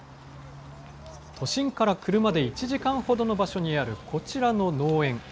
都心から車で１時間ほどの場所にあるこちらの農園。